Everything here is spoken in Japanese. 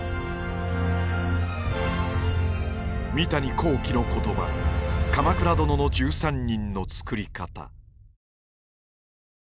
「三谷幸喜の言葉『鎌倉殿の１３人』の作り方」。